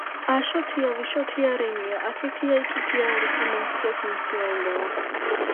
აშოთია ვიშოთია რენია."აქეთია იქითია არისო".მომციას მიმცია უნდაო.